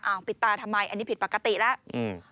เอาปิดตาทำไมอันนี้ผิดปกติแล้วอืม